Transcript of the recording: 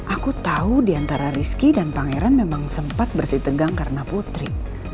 aku tahu diantara rizky dan pangeran memang sempat bersih tegang karena putri